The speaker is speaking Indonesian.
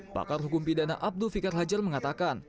pakar hukum pidana abdul fikar hajar mengatakan